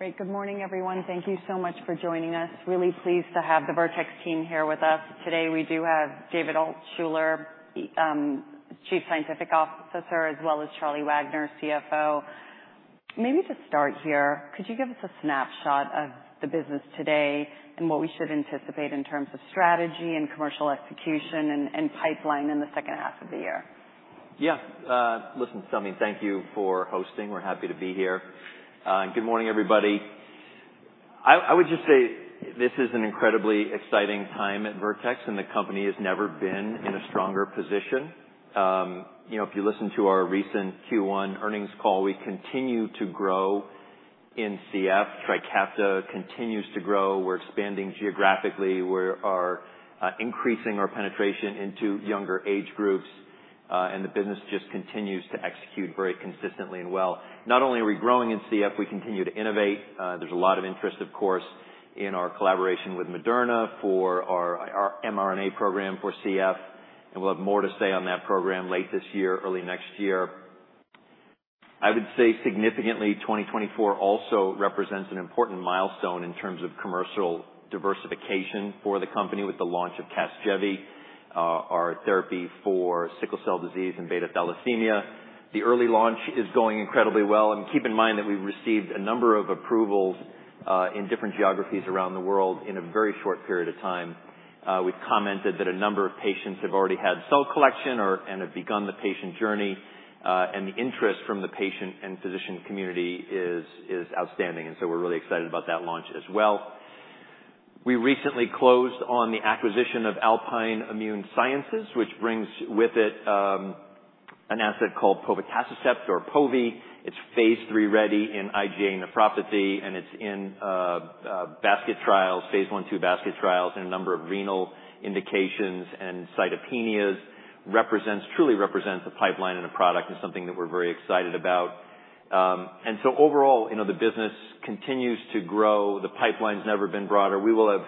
Great. Good morning, everyone. Thank you so much for joining us. Really pleased to have the Vertex team here with us. Today, we do have David Altshuler, the Chief Scientific Officer, as well as Charlie Wagner, CFO. Maybe to start here, could you give us a snapshot of the business today and what we should anticipate in terms of strategy and commercial execution and pipeline in the second half of the year? Yeah. Listen, Salveen, thank you for hosting. We're happy to be here. Good morning, everybody. I would just say this is an incredibly exciting time at Vertex, and the company has never been in a stronger position. You know, if you listen to our recent Q1 earnings call, we continue to grow in CF. TRIKAFTA continues to grow. We're expanding geographically, we are increasing our penetration into younger age groups, and the business just continues to execute very consistently and well. Not only are we growing in CF, we continue to innovate. There's a lot of interest, of course, in our collaboration with Moderna for our mRNA program for CF, and we'll have more to say on that program late this year, early next year. I would say significantly, 2024 also represents an important milestone in terms of commercial diversification for the company with the launch of CASGEVY, our therapy for sickle cell disease and beta thalassemia. The early launch is going incredibly well, and keep in mind that we've received a number of approvals in different geographies around the world in a very short period of time. We've commented that a number of patients have already had cell collection and have begun the patient journey, and the interest from the patient and physician community is outstanding. And so we're really excited about that launch as well. We recently closed on the acquisition of Alpine Immune Sciences, which brings with it an asset called povetacicept or Pove. Phase III-ready in IgA nephropathy, and it's in basket trials, Phase I, II basket trials in a number of renal indications and cytopenias. Represents, truly represents a pipeline and a product and something that we're very excited about. And so overall, you know, the business continues to grow. The pipeline's never been broader. We will have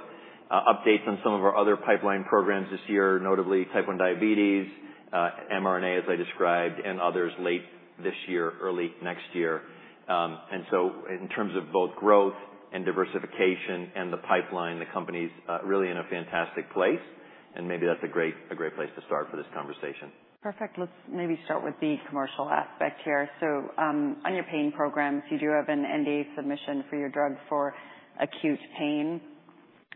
updates on some of our other pipeline programs this year, notably type 1 diabetes, mRNA, as I described, and others late this year, early next year. And so in terms of both growth and diversification and the pipeline, the company's really in a fantastic place, and maybe that's a great, a great place to start for this conversation. Perfect. Let's maybe start with the commercial aspect here. So, on your pain programs, you do have an NDA submission for your drug for acute pain.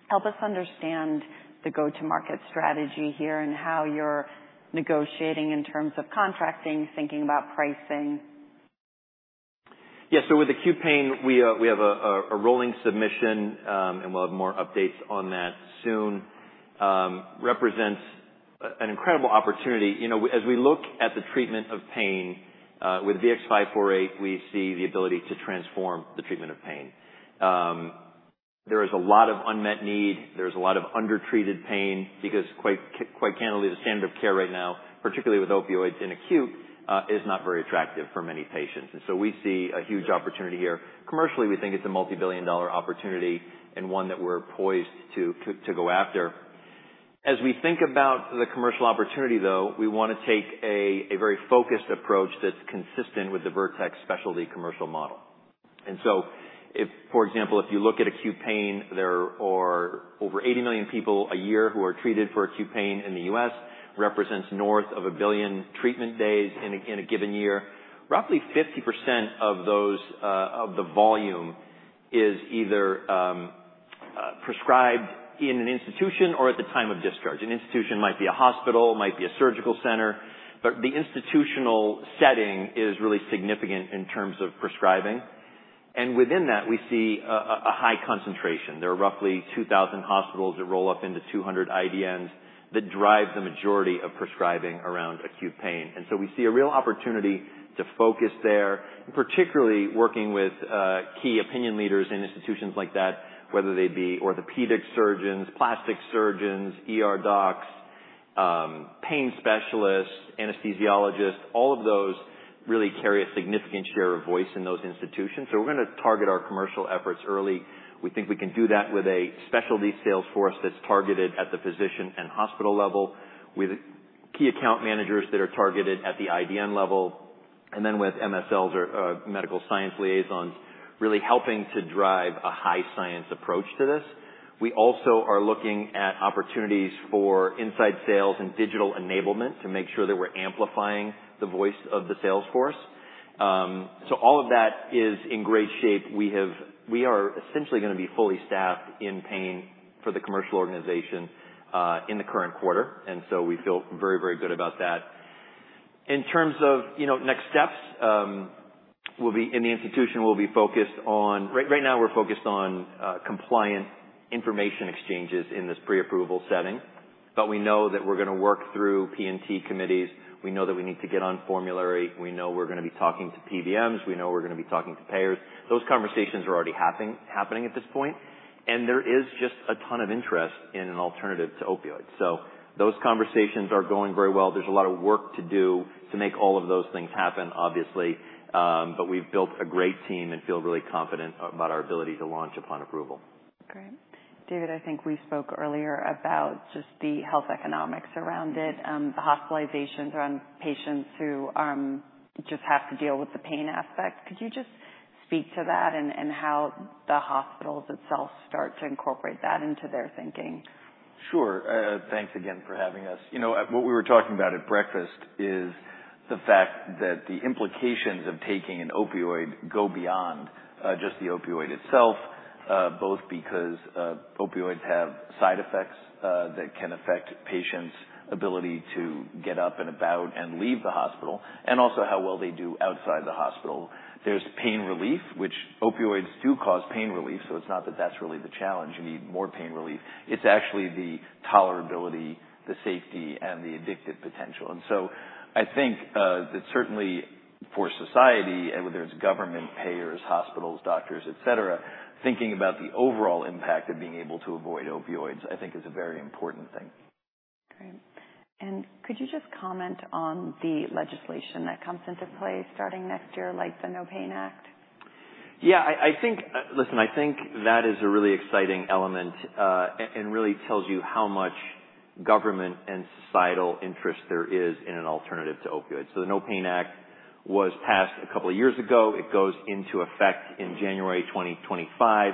Help us understand the go-to market strategy here and how you're negotiating in terms of contracting, thinking about pricing? Yeah. So with acute pain, we have a rolling submission, and we'll have more updates on that soon. Represents an incredible opportunity. You know, as we look at the treatment of pain with VX-548, we see the ability to transform the treatment of pain. There is a lot of unmet need. There's a lot of undertreated pain because quite candidly, the standard of care right now, particularly with opioids in acute, is not very attractive for many patients. And so we see a huge opportunity here. Commercially, we think it's a multi-billion dollar opportunity and one that we're poised to go after. As we think about the commercial opportunity, though, we wanna take a very focused approach that's consistent with the Vertex specialty commercial model. And so if, for example, if you look at acute pain, there are over 80 million people a year who are treated for acute pain in the U.S., represents north of 1 billion treatment days in a given year. Roughly 50% of those of the volume is either prescribed in an institution or at the time of discharge. An institution might be a hospital, might be a surgical center, but the institutional setting is really significant in terms of prescribing. And within that, we see a high concentration. There are roughly 2,000 hospitals that roll up into 200 IDNs that drive the majority of prescribing around acute pain. So we see a real opportunity to focus there, particularly working with key opinion leaders in institutions like that, whether they be orthopedic surgeons, plastic surgeons, ER docs, pain specialists, anesthesiologists, all of those really carry a significant share of voice in those institutions. So we're gonna target our commercial efforts early. We think we can do that with a specialty sales force that's targeted at the physician and hospital level, with key account managers that are targeted at the IDN level, and then with MSLs or medical science liaisons, really helping to drive a high science approach to this. We also are looking at opportunities for inside sales and digital enablement to make sure that we're amplifying the voice of the sales force. So all of that is in great shape. We are essentially gonna be fully staffed in pain for the commercial organization in the current quarter, and so we feel very, very good about that. In terms of, you know, next steps, right now, we're focused on compliance information exchanges in this pre-approval setting, but we know that we're gonna work through P&T committees. We know that we need to get on formulary. We know we're gonna be talking to PBMs. We know we're gonna be talking to payers. Those conversations are already happening at this point, and there is just a ton of interest in an alternative to opioids. So those conversations are going very well. There's a lot of work to do to make all of those things happen, obviously, but we've built a great team and feel really confident about our ability to launch upon approval. Great. David, I think we spoke earlier about just the health economics around it, the hospitalizations around patients who just have to deal with the pain aspect. Could you just speak to that and how the hospitals themselves start to incorporate that into their thinking? Sure. Thanks again for having us. You know, what we were talking about at breakfast is the fact that the implications of taking an opioid go beyond just the opioid itself, both because opioids have side effects that can affect patients' ability to get up and about and leave the hospital, and also how well they do outside the hospital. There's pain relief, which opioids do cause pain relief, so it's not that that's really the challenge, you need more pain relief. It's actually the tolerability, the safety, and the addictive potential. And so I think that certainly for society, whether it's government, payers, hospitals, doctors, et cetera, thinking about the overall impact of being able to avoid opioids, I think is a very important thing. Great. Could you just comment on the legislation that comes into play starting next year, like the NOPAIN Act? Yeah, listen, I think that is a really exciting element, and really tells you how much government and societal interest there is in an alternative to opioids. So the NOPAIN Act was passed a couple of years ago. It goes into effect in January 2025,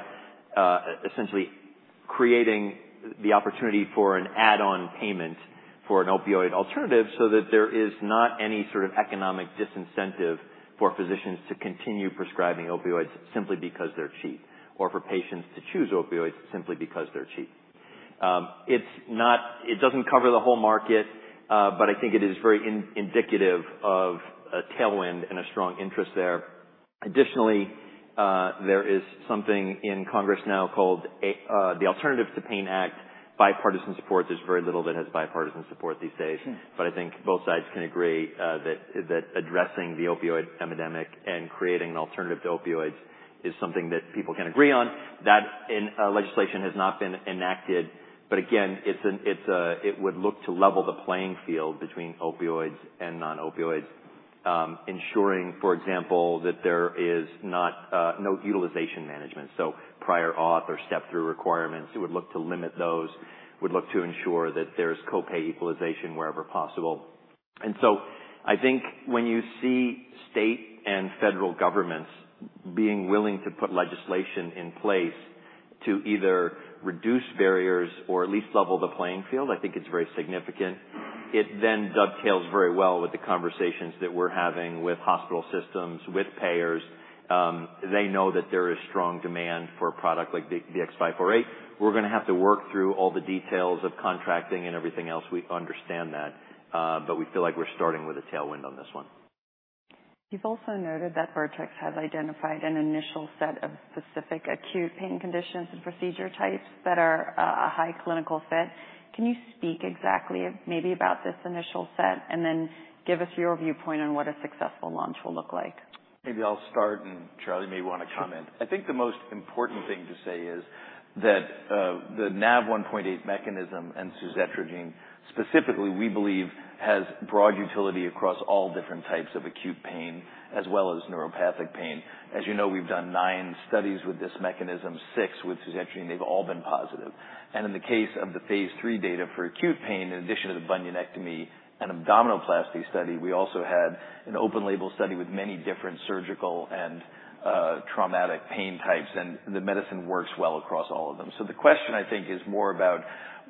essentially creating the opportunity for an add-on payment for an opioid alternative, so that there is not any sort of economic disincentive for physicians to continue prescribing opioids simply because they're cheap, or for patients to choose opioids simply because they're cheap. It's not, it doesn't cover the whole market, but I think it is very indicative of a tailwind and a strong interest there. Additionally, there is something in Congress now called the Alternatives to PAIN Act. Bipartisan support, there's very little that has bipartisan support these days. Mm. But I think both sides can agree that addressing the opioid epidemic and creating an alternative to opioids is something that people can agree on. That legislation has not been enacted, but again, it would look to level the playing field between opioids and non-opioids. Ensuring, for example, that there is not no utilization management, so prior auth or step-through requirements, it would look to limit those. Would look to ensure that there's copay equalization wherever possible. And so I think when you see state and federal governments being willing to put legislation in place to either reduce barriers or at least level the playing field, I think it's very significant. It then dovetails very well with the conversations that we're having with hospital systems, with payers. They know that there is strong demand for a product like VX-548. We're gonna have to work through all the details of contracting and everything else. We understand that, but we feel like we're starting with a tailwind on this one. You've also noted that Vertex has identified an initial set of specific acute pain conditions and procedure types that are a high clinical fit. Can you speak exactly maybe about this initial set, and then give us your viewpoint on what a successful launch will look like? Maybe I'll start, and Charlie may want to comment. I think the most important thing to say is that, the Nav1.8 mechanism and suzetrigine, specifically, we believe, has broad utility across all different types of acute pain as well as neuropathic pain. As you know, we've done 9 studies with this mechanism, 6 with suzetrigine, they've all been positive. And in the case Phase III data for acute pain, in addition to the bunionectomy and abdominoplasty study, we also had an open label study with many different surgical and, traumatic pain types, and the medicine works well across all of them. So the question, I think, is more about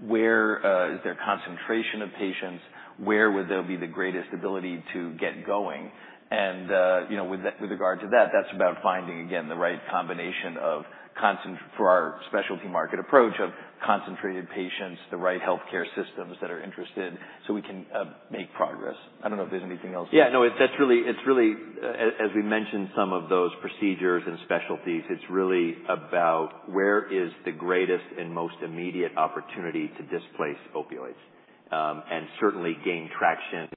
where, is there concentration of patients, where would there be the greatest ability to get going? And, you know, with, with regard to that, that's about finding, again, the right combination of concent... For our specialty market approach, of concentrated patients, the right healthcare systems that are interested, so we can make progress. I don't know if there's anything else. Yeah, no, that's really... It's really, as we mentioned, some of those procedures and specialties, it's really about where is the greatest and most immediate opportunity to displace opioids. And certainly gain traction,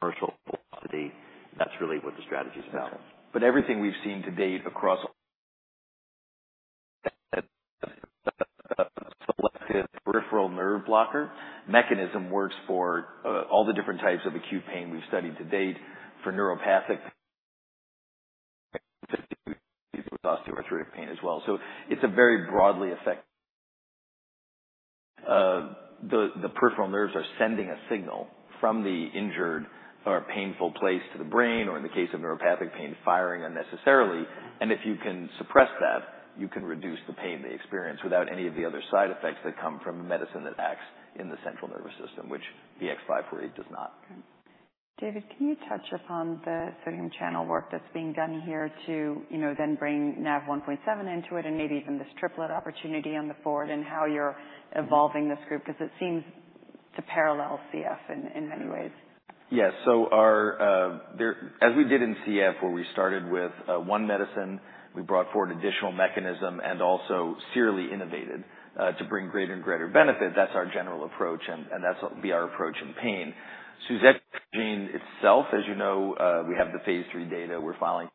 commercial velocity. That's really what the strategy is about. But everything we've seen to date across selective peripheral nerve blocker mechanism works for all the different types of acute pain we've studied to date, for neuropathic, osteoarthritic pain as well. So it's a very broad effect. The peripheral nerves are sending a signal from the injured or painful place to the brain, or in the case of neuropathic pain, firing unnecessarily. And if you can suppress that, you can reduce the pain they experience without any of the other side effects that come from a medicine that acts in the central nervous system, which VX-548 does not. David, can you touch upon the sodium channel work that's being done here to, you know, then bring Nav1.7 into it, and maybe even this triplet opportunity on the forward and how you're evolving this group? Because it seems to parallel CF in, in many ways. Yes. So our, As we did in CF, where we started with, 1 medicine, we brought forward additional mechanism and also serially innovated, to bring greater and greater benefit. That's our general approach, and, and that's what will be our approach in pain. Suzetrigine itself, as you know, we Phase III data. we're filing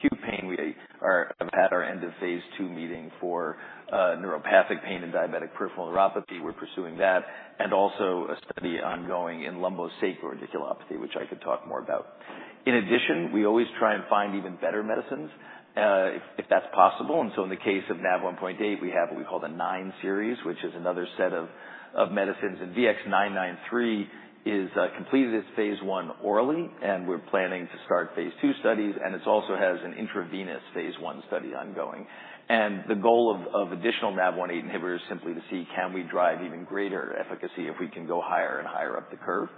acute pain. We are at our end Phase II meeting for, neuropathic pain and diabetic peripheral neuropathy. We're pursuing that, and also a study ongoing in lumbosacral radiculopathy, which I could talk more about. In addition, we always try and find even better medicines, if, if that's possible. And so in the case of Nav1.8, we have what we call the 9 series, which is another set of, of medicines. VX-993 is completed its Phase I orally, and we're planning to Phase II studies, and it's also has an intravenous Phase I study ongoing. The goal of... additional Nav1.8 inhibitors simply to see, can we drive even greater efficacy if we can go higher and higher up the curve?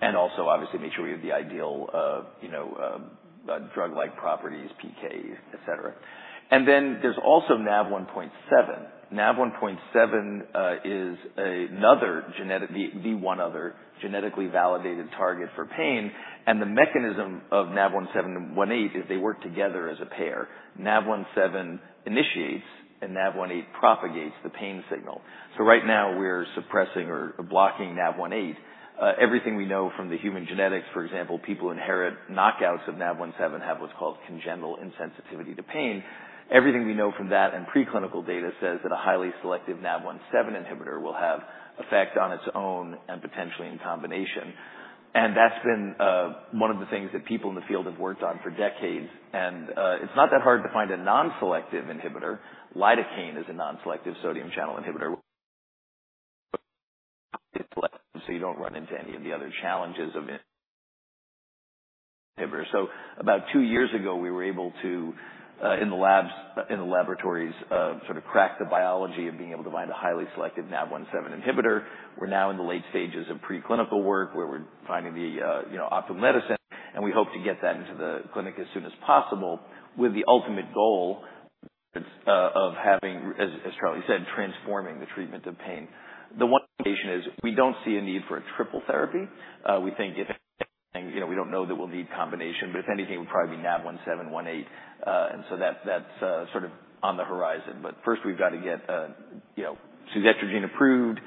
And also obviously make sure we have the ideal of, you know, drug-like properties, PK, et cetera. And then there's also Nav1.7. Nav1.7 is another genetically validated target for pain, and the mechanism of Nav1.7 and 1.8 is they work together as a pair. Nav1.7 initiates, and Nav1.8 propagates the pain signal. So right now, we're suppressing or blocking Nav1.8. Everything we know from the human genetics, for example, people inherit knockouts of Nav1.7 have what's called congenital insensitivity to pain. Everything we know from that and preclinical data says that a highly selective Nav1.7 inhibitor will have effect on its own and potentially in combination. That's been one of the things that people in the field have worked on for decades. It's not that hard to find a non-selective inhibitor. Lidocaine is a non-selective sodium channel inhibitor. You don't run into any of the other challenges of it. About two years ago, we were able to in the labs, in the laboratories sort of crack the biology of being able to find a highly selective Nav1.7 inhibitor. We're now in the late stages of preclinical work, where we're finding the you know, optimum medicine, and we hope to get that into the clinic as soon as possible, with the ultimate goal of having, as Charlie said, transforming the treatment of pain. The one observation is we don't see a need for a triple therapy. We think if, you know, we don't know that we'll need combination, but if anything, it would probably be Nav1.7, 1.8. And so that's sort of on the horizon. But first, we've got to get, you know, suzetrigine approved,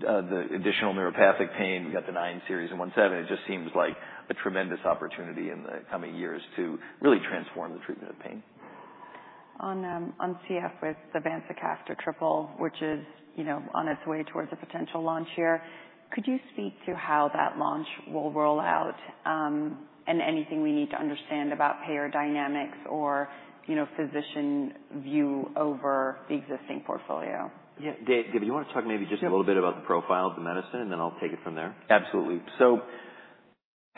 the additional neuropathic pain. We've got the 9 series and 1.7. It just seems like a tremendous opportunity in the coming years to really transform the treatment of pain. On CF with the vanzacaftor triple, which is, you know, on its way towards a potential launch here. Could you speak to how that launch will roll out, and anything we need to understand about payer dynamics or, you know, physician view over the existing portfolio? Yeah, Dave, do you want to talk maybe just a little bit about the profile of the medicine, and then I'll take it from there? Absolutely. So,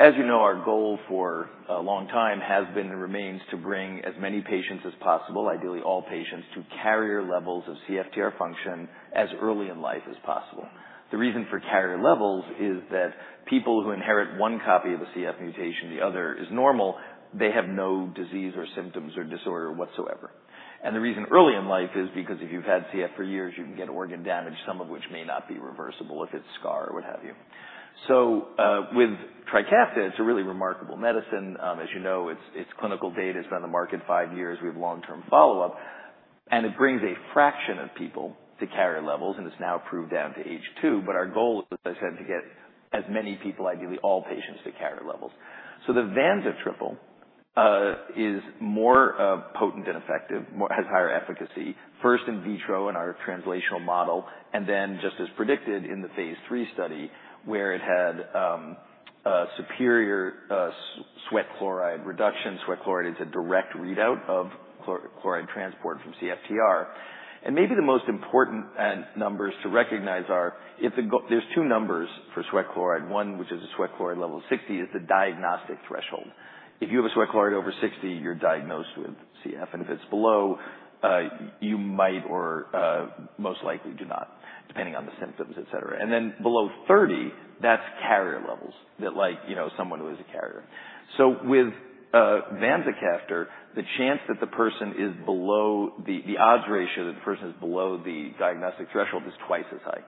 as you know, our goal for a long time has been and remains to bring as many patients as possible, ideally all patients, to carrier levels of CFTR function as early in life as possible. The reason for carrier levels is that people who inherit one copy of a CF mutation, the other is normal, they have no disease or symptoms or disorder whatsoever. And the reason early in life is because if you've had CF for years, you can get organ damage, some of which may not be reversible if it's scar or what have you. So, with TRIKAFTA, it's a really remarkable medicine. As you know, its clinical data has been on the market five years. We have long-term follow-up, and it brings a fraction of people to carrier levels, and it's now approved down to age two. But our goal is, as I said, to get as many people, ideally all patients, to carrier levels. So the vanza triple is more potent and effective, more—has higher efficacy, first in vitro in our translational model, and then, just as predicted Phase III study, where it had a superior sweat chloride reduction. Sweat chloride is a direct readout of chloride transport from CFTR. And maybe the most important numbers to recognize are there's two numbers for sweat chloride. One, which is a sweat chloride level 60, is the diagnostic threshold. If you have a sweat chloride over 60, you're diagnosed with CF, and if it's below 60, you might or most likely do not, depending on the symptoms, et cetera. And then below 30, that's carrier levels that like, you know, someone who is a carrier. So with vanzacaftor, the chance that the person is below the odds ratio, that the person is below the diagnostic threshold is twice as high.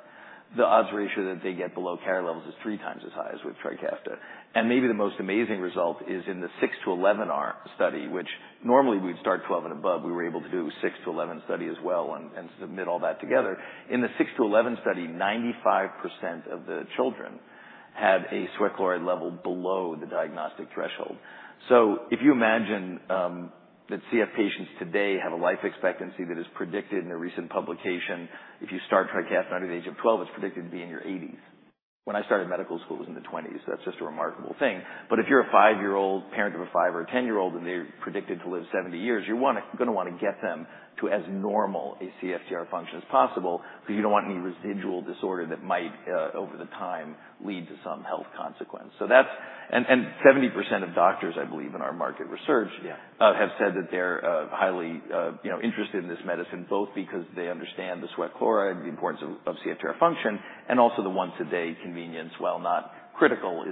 The odds ratio that they get below carrier levels is three times as high as with TRIKAFTA. And maybe the most amazing result is in the 6 to 11 study, which normally we'd start 12 and above. We were able to do 6 to 11 study as well and submit all that together. In the 6 to 11 study, 95% of the children had a sweat chloride level below the diagnostic threshold. So if you imagine, that CF patients today have a life expectancy that is predicted in a recent publication, if you start TRIKAFTA under the age of 12, it's predicted to be in your 80s. When I started medical school, it was in the 20s. That's just a remarkable thing. But if you're a 5-year-old, parent of a 5 or a 10-year-old, and they're predicted to live 70 years, you gonna wanna get them to as normal a CFTR function as possible, because you don't want any residual disorder that might, over the time lead to some health consequence. So that's... And, and 70% of doctors, I believe, in our market research- Yeah. have said that they're highly, you know, interested in this medicine, both because they understand the sweat chloride, the importance of CFTR function, and also the once-a-day convenience, while not critical,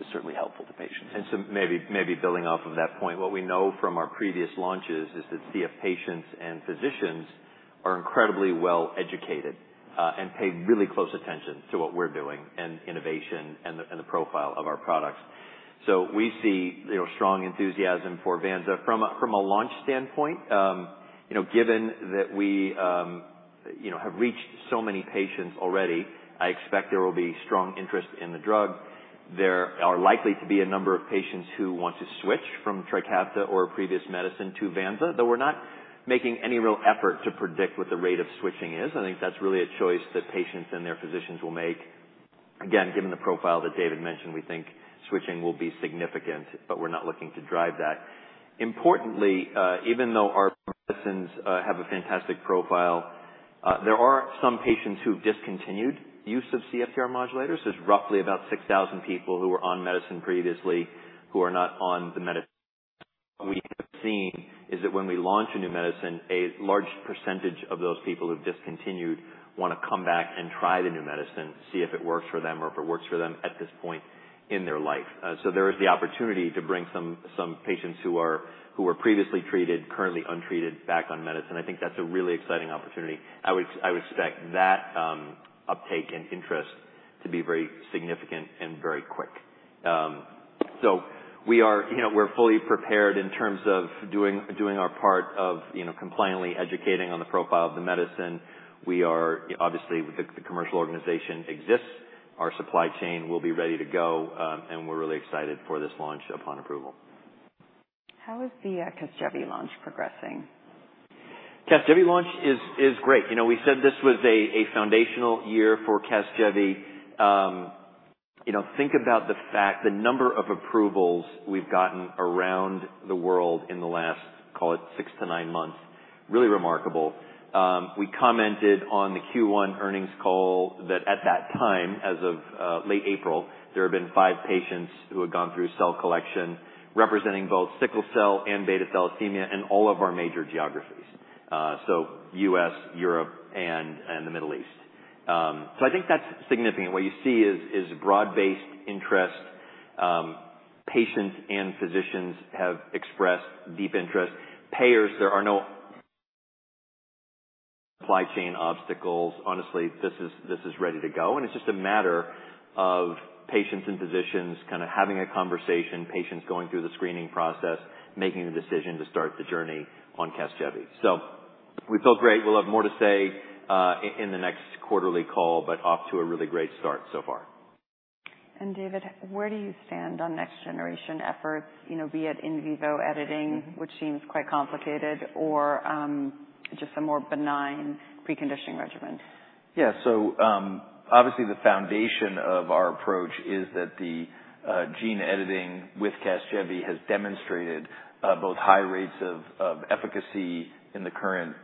is certainly helpful to patients. Maybe, maybe building off of that point, what we know from our previous launches is that CF patients and physicians are incredibly well educated, and pay really close attention to what we're doing and innovation and the profile of our products. So we see, you know, strong enthusiasm for vanza. From a launch standpoint, you know, given that we, you know, have reached so many patients already, I expect there will be strong interest in the drug. There are likely to be a number of patients who want to switch from TRIKAFTA or a previous medicine to vanza, though we're not making any real effort to predict what the rate of switching is. I think that's really a choice that patients and their physicians will make. Again, given the profile that David mentioned, we think switching will be significant, but we're not looking to drive that. Importantly, even though our medicines have a fantastic profile, there are some patients who've discontinued use of CFTR modulators. There's roughly about 6,000 people who were on medicine previously who are not on the medicine.... what we have seen is that when we launch a new medicine, a large percentage of those people who've discontinued want to come back and try the new medicine, see if it works for them or if it works for them at this point in their life. So there is the opportunity to bring some patients who were previously treated, currently untreated, back on medicine. I think that's a really exciting opportunity. I would expect that uptake and interest to be very significant and very quick. So we are, you know, fully prepared in terms of doing our part of, you know, compliantly educating on the profile of the medicine. We are obviously the commercial organization exists. Our supply chain will be ready to go, and we're really excited for this launch upon approval. How is the CASGEVY launch progressing? CASGEVY launch is great. You know, we said this was a foundational year for CASGEVY. You know, think about the fact, the number of approvals we've gotten around the world in the last, call it 6-9 months, really remarkable. We commented on the Q1 earnings call that at that time, as of late April, there have been 5 patients who had gone through cell collection, representing both sickle cell and beta thalassemia, and all of our major geographies. So U.S., Europe, and the Middle East. So I think that's significant. What you see is broad-based interest. Patients and physicians have expressed deep interest. Payers, there are no supply chain obstacles. Honestly, this is, this is ready to go, and it's just a matter of patients and physicians kind of having a conversation, patients going through the screening process, making the decision to start the journey on CASGEVY. So we feel great. We'll have more to say in the next quarterly call, but off to a really great start so far. David, where do you stand on next generation efforts, you know, be it in vivo editing, which seems quite complicated, or, just a more benign preconditioning regimen? Yeah. So, obviously, the foundation of our approach is that the gene editing with CASGEVY has demonstrated both high rates of efficacy in the current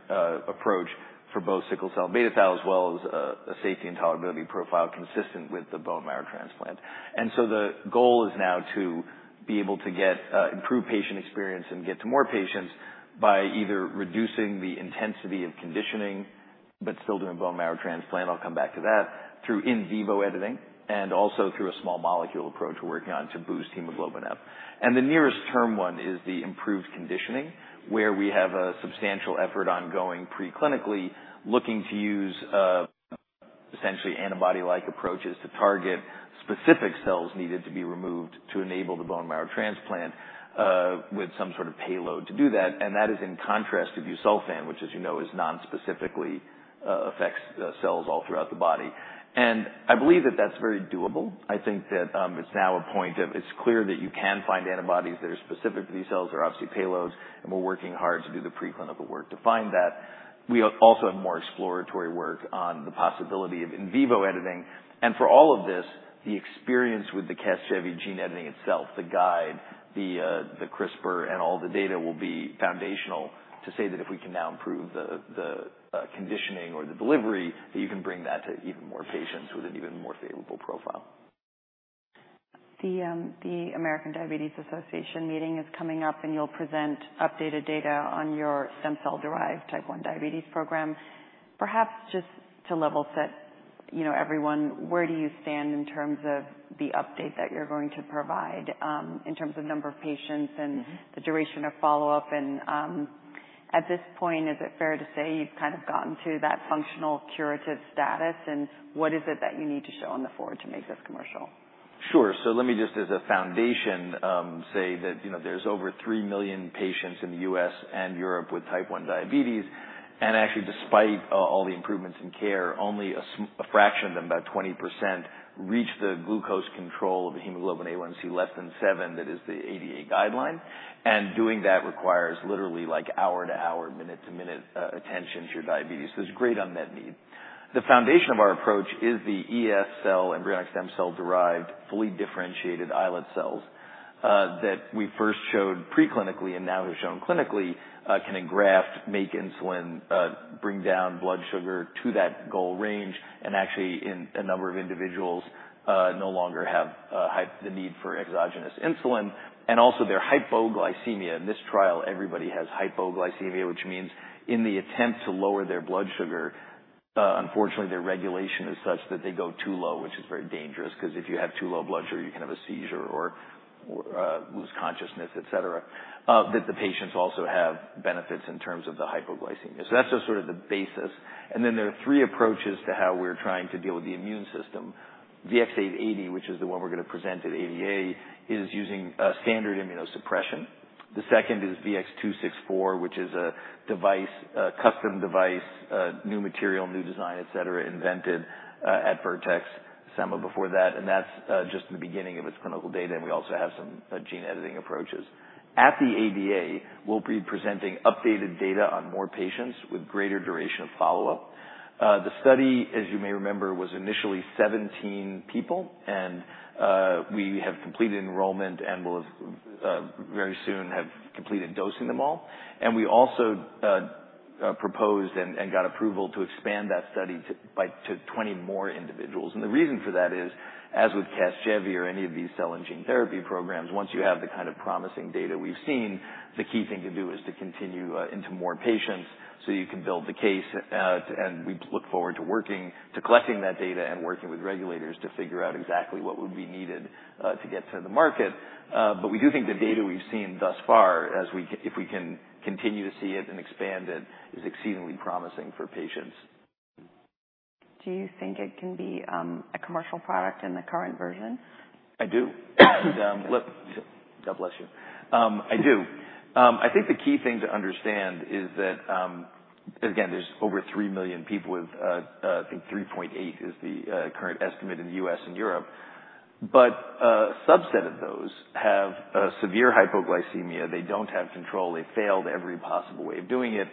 approach for both sickle cell and beta thal, as well as a safety and tolerability profile consistent with the bone marrow transplant. And so the goal is now to be able to get improve patient experience and get to more patients by either reducing the intensity of conditioning, but still doing bone marrow transplant, I'll come back to that, through in vivo editing, and also through a small molecule approach we're working on to boost hemoglobin up. The nearest term one is the improved conditioning, where we have a substantial effort ongoing preclinically, looking to use, essentially antibody-like approaches to target specific cells needed to be removed to enable the bone marrow transplant, with some sort of payload. To do that, and that is in contrast to busulfan, which, as you know, is nonspecifically, affects, cells all throughout the body. I believe that that's very doable. I think that, it's now a point of it's clear that you can find antibodies that are specific to these cells, there are obviously payloads, and we're working hard to do the preclinical work to find that. We also have more exploratory work on the possibility of in vivo editing. For all of this, the experience with the CASGEVY gene editing itself, the guide, the CRISPR and all the data will be foundational to say that if we can now improve the conditioning or the delivery, that you can bring that to even more patients with an even more favorable profile. The American Diabetes Association meeting is coming up, and you'll present updated data on your stem cell-derived type 1 diabetes program. Perhaps just to level set, you know, everyone, where do you stand in terms of the update that you're going to provide, in terms of number of patients and the duration of follow-up? And, at this point, is it fair to say you've kind of gotten to that functional curative status, and what is it that you need to show on the forward to make this commercial? Sure. So let me just as a foundation, say that, you know, there's over 3 million patients in the US and Europe with type 1 diabetes. And actually, despite all the improvements in care, only a fraction of them, about 20%, reach the glucose control of hemoglobin A1C less than 7. That is the ADA guideline. And doing that requires literally, like, hour to hour, minute to minute, attention to your diabetes. There's great unmet need. The foundation of our approach is the ES cell, embryonic stem cell-derived, fully differentiated islet cells, that we first showed preclinically and now have shown clinically, can engraft, make insulin, bring down blood sugar to that goal range, and actually in a number of individuals, no longer have the need for exogenous insulin. And also they're hypoglycemia. In this trial, everybody has hypoglycemia, which means in the attempt to lower their blood sugar, unfortunately, their regulation is such that they go too low, which is very dangerous, 'cause if you have too low blood sugar, you can have a seizure or lose consciousness, et cetera. That the patients also have benefits in terms of the hypoglycemia. So that's just sort of the basis. And then there are three approaches to how we're trying to deal with the immune system. VX-880, which is the one we're gonna present at ADA, is using a standard immunosuppression. The second is VX-264, which is a device, a custom device, a new material, new design, et cetera, invented at Vertex, some before that, and that's just the beginning of its clinical data, and we also have some gene-editing approaches. At the ADA, we'll be presenting updated data on more patients with greater duration of follow-up. The study, as you may remember, was initially 17 people, and we have completed enrollment and will very soon have completed dosing them all. And we also proposed and got approval to expand that study to 20 more individuals. And the reason for that is, as with CASGEVY or any of these cell and gene therapy programs, once you have the kind of promising data we've seen, the key thing to do is to continue into more patients so you can build the case. And we look forward to working, to collecting that data and working with regulators to figure out exactly what would be needed to get to the market. But we do think the data we've seen thus far, as we, if we can continue to see it and expand it, is exceedingly promising for patients. Do you think it can be a commercial product in the current version? I do. And, look, God bless you. I do. I think the key thing to understand is that, again, there's over 3 million people with, I think 3.8 is the current estimate in the U.S. and Europe. But a subset of those have severe hypoglycemia. They don't have control. They failed every possible way of doing it.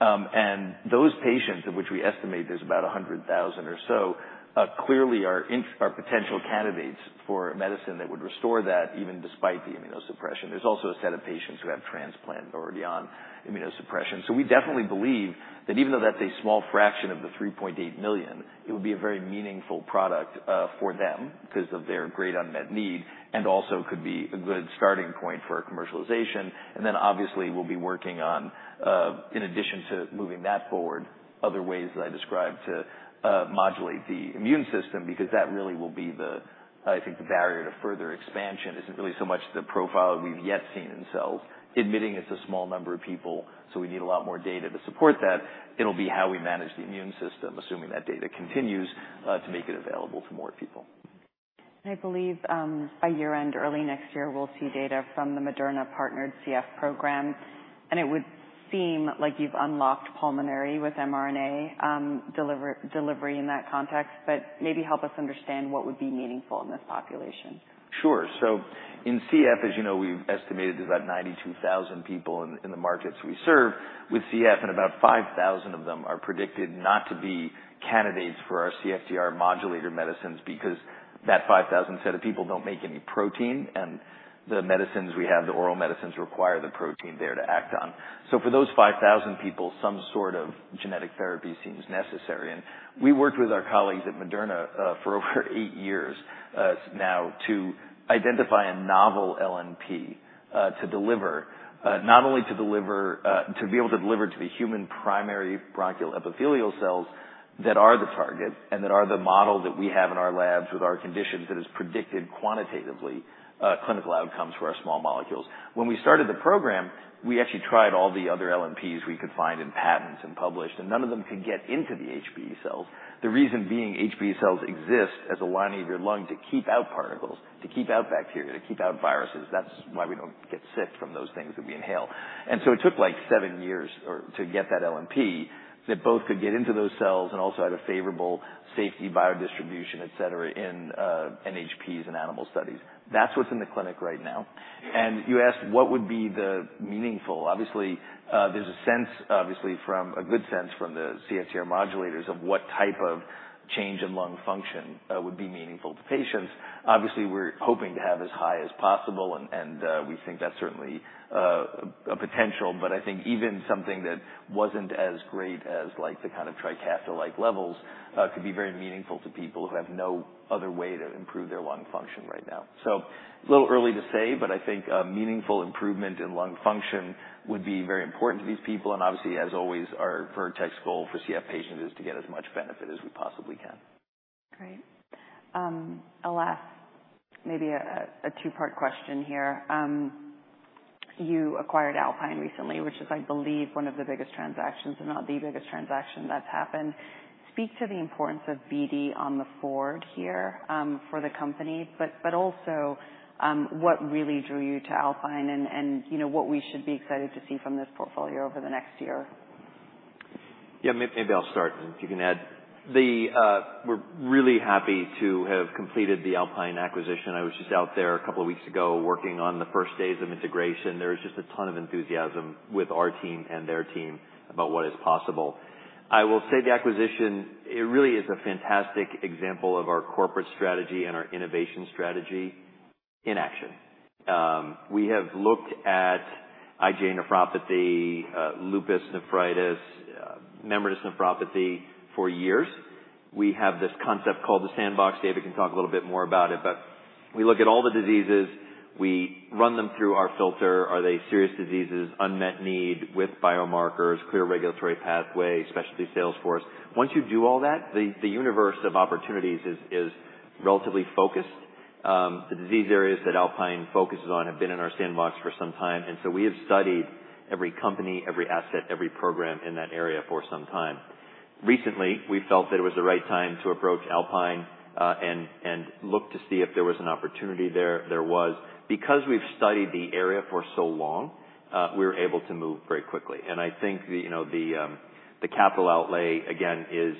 And those patients, of which we estimate there's about 100,000 or so, clearly are potential candidates for a medicine that would restore that, even despite the immunosuppression. There's also a set of patients who have transplants already on immunosuppression. So we definitely believe that even though that's a small fraction of the 3.8 million, it would be a very meaningful product, for them because of their great unmet need, and also could be a good starting point for our commercialization. And then obviously, we'll be working on, in addition to moving that forward, other ways that I described to, modulate the immune system, because that really will be the, I think, the barrier to further expansion isn't really so much the profile we've yet seen in cells. Admitting it's a small number of people, so we need a lot more data to support that, it'll be how we manage the immune system, assuming that data continues, to make it available to more people. I believe, by year-end, early next year, we'll see data from the Moderna-partnered CF program, and it would seem like you've unlocked pulmonary with mRNA, delivery in that context, but maybe help us understand what would be meaningful in this population. Sure. So in CF, as you know, we've estimated there's about 92,000 people in the markets we serve with CF, and about 5,000 of them are predicted not to be candidates for our CFTR modulator medicines because that 5,000 set of people don't make any protein, and the medicines we have, the oral medicines, require the protein there to act on. So for those 5,000 people, some sort of genetic therapy seems necessary. And we worked with our colleagues at Moderna for over 8 years now to identify a novel LNP to deliver. Not only to deliver, to be able to deliver to the human primary bronchial epithelial cells that are the target and that are the model that we have in our labs with our conditions, that has predicted quantitatively clinical outcomes for our small molecules. When we started the program, we actually tried all the other LNPs we could find in patents and published, and none of them could get into the HBE cells. The reason being, HBE cells exist as a lining of your lung to keep out particles, to keep out bacteria, to keep out viruses. That's why we don't get sick from those things that we inhale. And so it took, like, 7 years to get that LNP that both could get into those cells and also had a favorable safety biodistribution, et cetera, in NHPs in animal studies. That's what's in the clinic right now. And you asked, what would be the meaningful? Obviously, there's a sense, obviously, from a good sense, from the CFTR modulators of what type of change in lung function would be meaningful to patients. Obviously, we're hoping to have as high as possible, and we think that's certainly a potential. But I think even something that wasn't as great as, like, the kind of TRIKAFTA-like levels could be very meaningful to people who have no other way to improve their lung function right now. So a little early to say, but I think a meaningful improvement in lung function would be very important to these people. And obviously, as always, our Vertex goal for CF patients is to get as much benefit as we possibly can. Great. A last, maybe a two-part question here. You acquired Alpine recently, which is, I believe, one of the biggest transactions, if not the biggest transaction, that's happened. Speak to the importance of BD on the forward here, for the company, but also, what really drew you to Alpine and, you know, what we should be excited to see from this portfolio over the next year? Yeah, maybe I'll start, and if you can add. We're really happy to have completed the Alpine acquisition. I was just out there a couple of weeks ago, working on the first days of integration. There was just a ton of enthusiasm with our team and their team about what is possible. I will say the acquisition, it really is a fantastic example of our corporate strategy and our innovation strategy in action. We have looked at IgA nephropathy, lupus nephritis, membranous nephropathy for years. We have this concept called the sandbox. David can talk a little bit more about it, but we look at all the diseases, we run them through our filter. Are they serious diseases, unmet need with biomarkers, clear regulatory pathway, specialty sales force? Once you do all that, the universe of opportunities is relatively focused. The disease areas that Alpine focuses on have been in our sandbox for some time, and so we have studied every company, every asset, every program in that area for some time. Recently, we felt that it was the right time to approach Alpine, and look to see if there was an opportunity there. There was. Because we've studied the area for so long, we were able to move very quickly. And I think you know, the capital outlay, again, is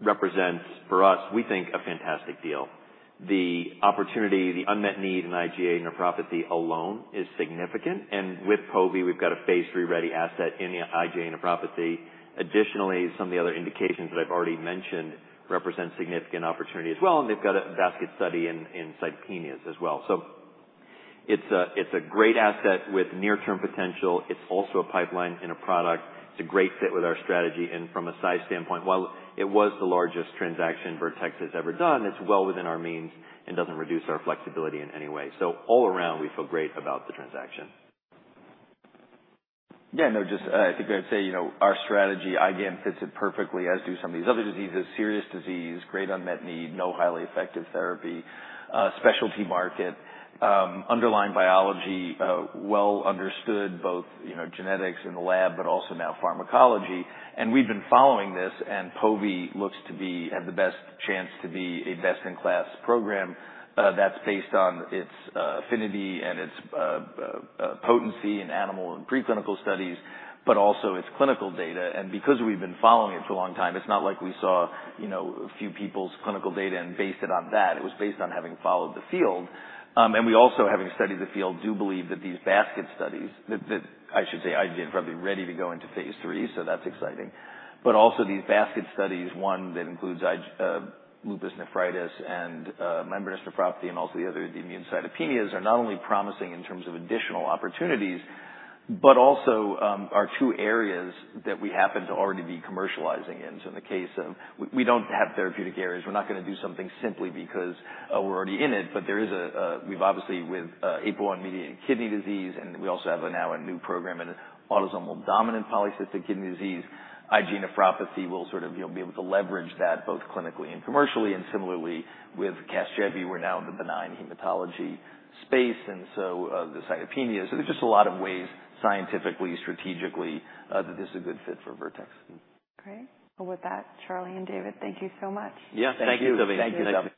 represents for us, we think, a fantastic deal. The opportunity, the unmet need in IgA nephropathy alone is significant, and with Pove, we've got Phase III-ready asset in the IgA nephropathy. Additionally, some of the other indications that I've already mentioned represent significant opportunity as well, and they've got a basket study in cytopenias as well. It's a, it's a great asset with near-term potential. It's also a pipeline in a product. It's a great fit with our strategy, and from a size standpoint, while it was the largest transaction Vertex has ever done, it's well within our means and doesn't reduce our flexibility in any way. So all around, we feel great about the transaction. Yeah, no, just, I think I'd say, you know, our strategy, again, fits it perfectly, as do some of these other diseases, serious disease, great unmet need, no highly effective therapy, specialty market, underlying biology, well understood, both, you know, genetics in the lab, but also now pharmacology. And we've been following this, and Pove looks to be, have the best chance to be a best-in-class program, that's based on its, potency in animal and preclinical studies, but also its clinical data. And because we've been following it for a long time, it's not like we saw, you know, a few people's clinical data and based it on that. It was based on having followed the field. And we also, having studied the field, do believe that these basket studies, that I should say, IgA, probably ready to Phase III, so that's exciting. But also, these basket studies, one that includes lupus nephritis and membranous nephropathy and also the other immune cytopenias, are not only promising in terms of additional opportunities, but also, are two areas that we happen to already be commercializing in. So we don't have therapeutic areas. We're not gonna do something simply because, we're already in it, but there is a. We've obviously with APOL1-mediated kidney disease, and we also have now a new program in autosomal dominant polycystic kidney disease. IgA nephropathy will sort of, you know, be able to leverage that both clinically and commercially, and similarly with CASGEVY, we're now in the benign hematology space, and so, the cytopenias. So there's just a lot of ways, scientifically, strategically, that this is a good fit for Vertex. Great. Well, with that, Charlie and David, thank you so much. Yeah, thank you, Salveen. Thank you, Salveen.